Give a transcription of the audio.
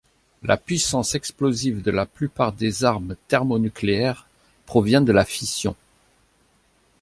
La puissance explosive de la plupart des armes thermonucléaires provient de la fission.